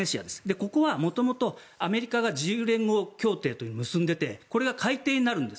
ここは元々、アメリカが自由連合協定を結んでいてこれが改定になるんです。